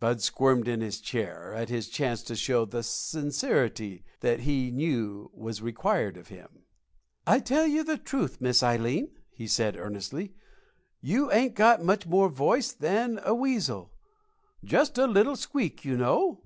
Bud squirmed in his chair at his chance to show the sincerity that he knew was required of him. "Tell you the truth, Miss Ileen," he said, earnestly, "you ain't got much more voice than a weasel just a little squeak, you know.